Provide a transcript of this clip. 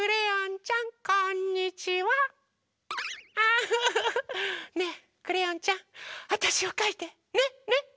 ウフフフねえクレヨンちゃんあたしをかいてねね？